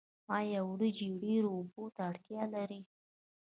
آیا وریجې ډیرو اوبو ته اړتیا لري؟